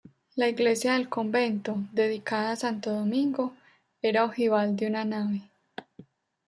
La iglesia del convento, dedicada a santo Domingo, era ojival de una nave.